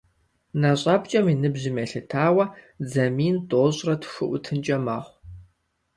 НэщIэпкIэм и ныбжьым елъытауэ, дзэ мин тIощIрэ тху IутынкIэ мэхъу.